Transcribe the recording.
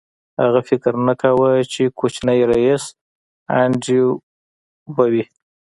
هغه فکر نه کاوه چې کوچنی ريیس انډریو کارنګي به وي